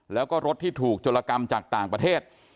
แล้วก็รถที่ถูกโจรกรรมจากต่างประเทศ